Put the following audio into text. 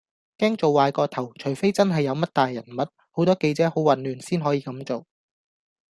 驚做壞個頭，除非真係有乜大人物，好多記者好混亂先可以咁做